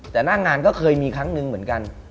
แต่หน้างานก็เคยมีครั้งหนึ่งเหมือนกัน